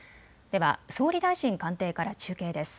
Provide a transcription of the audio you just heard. では総理大臣官邸から中継です。